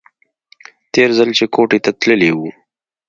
تېر ځل چې کوټې ته تللى و.